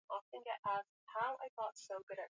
Wazungu walimtunuku gari jipya